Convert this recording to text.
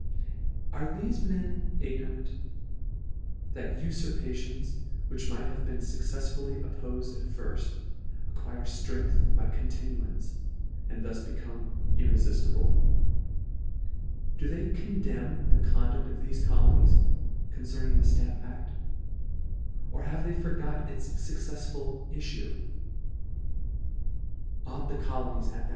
Are thefe men ignorant, that ufurpations, which might have been fuccefsfully oppofed at firft, acquire ftrength by continuance, and thus become irrefiftible ? Do they con demn the conduct of thefe colonies, concern ing the Stamp acl f Or have they forgot its fuccefsful iiTue ? Ought the colonies at that (a) Gal. v.